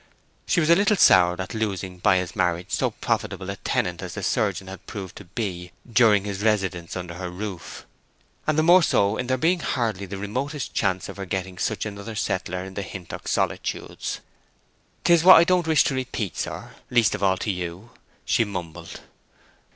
She was a little soured at losing by his marriage so profitable a tenant as the surgeon had proved to be during his residence under her roof; and the more so in there being hardly the remotest chance of her getting such another settler in the Hintock solitudes. "'Tis what I don't wish to repeat, sir; least of all to you," she mumbled.